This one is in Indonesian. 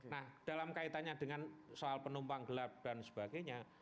nah dalam kaitannya dengan soal penumpang gelap dan sebagainya